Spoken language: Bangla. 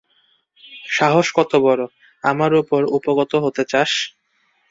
সাহস কত বড়, আমার উপর উপগত হতে চাস!